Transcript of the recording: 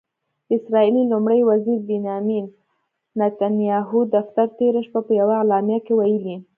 د اسرائیلي لومړي وزیر بنیامن نتنیاهو دفتر تېره شپه په یوه اعلامیه کې ویلي